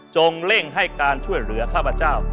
เร่งให้การช่วยเหลือข้าพเจ้า